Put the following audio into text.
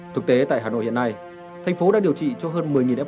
thực tế tại hà nội hiện nay thành phố đang điều trị cho hơn một mươi f